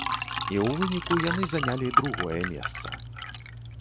І ў выніку яны занялі другое месца.